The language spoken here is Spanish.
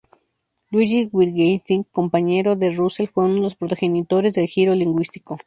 Ludwig Wittgenstein, compañero de Russell, fue uno de los progenitores del giro lingüístico.